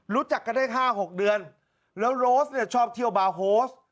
รู้จักกันได้๕๖เดือนแล้วโรสเนี่ยชอบเที่ยวบาร์โฮส